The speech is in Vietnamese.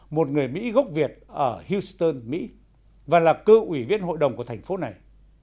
một người mỹ gốc việt ở houston mỹ và là cơ ủy viên hội đồng của thành phố này